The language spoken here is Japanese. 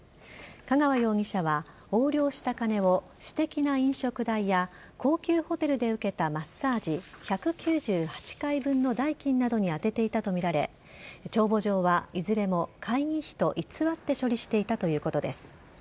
香川容疑者は横領した金を私的な飲食代や高級ホテルで受けたマッサージ１９８回分の代金などに充てていたとみられ帳簿上は、いずれも会議費と偽って処理していたということです。